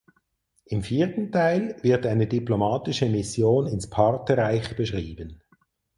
Im vierten Teil wird eine diplomatische Mission ins Partherreich beschrieben.